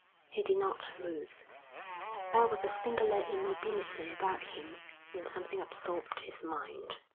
He did not move. There was a singular immobility about him when something absorbed his mind.